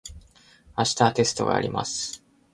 明日はテストがあります。